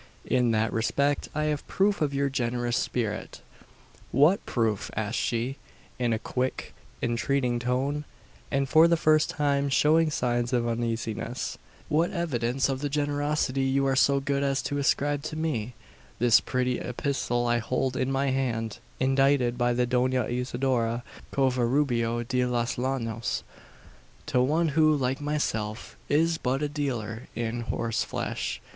In that respect, I have proof of your generous spirit!" "What proof?" asked she, in a quick, entreating tone, and for the first time showing signs of uneasiness. "What evidence of the generosity you are so good as to ascribe to me?" "This pretty epistle I hold in my hand, indited by the Dona Isidora Covarubio de los Llanos, to one who, like myself, is but a dealer in horseflesh.